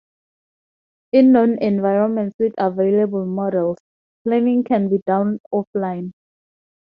In known environments with available models, planning can be done offline.